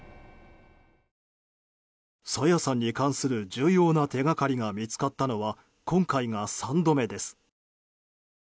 朝芽さんに関する重要な手掛かりが見つかったのは今回が３度目です。